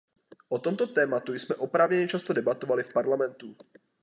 O tomto tématu jsme oprávněně často debatovali v Parlamentu.